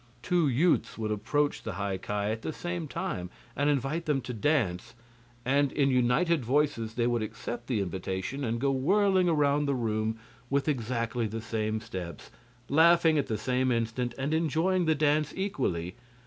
Two youths would approach the High Ki at the same time and invite them to dance, and in united voices they would accept the invitation and go whirling around the room with exactly the same steps, laughing at the same instant and enjoying the dance equally.